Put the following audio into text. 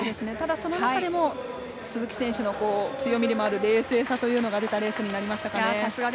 その中でも鈴木選手の強みである冷静さというのが出たレースになりましたかね。